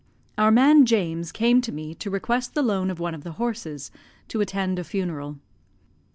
Our man James came to me to request the loan of one of the horses, to attend a funeral.